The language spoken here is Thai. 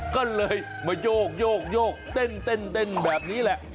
ก็เลยมาโยกเต้นแบบนี้แหละ